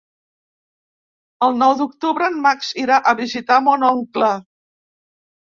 El nou d'octubre en Max irà a visitar mon oncle.